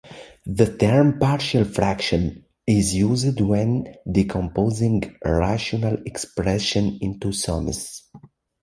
The term partial fraction is used when decomposing rational expressions into sums.